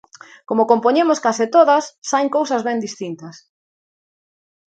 Como compoñemos case todas, saen cousas ben distintas.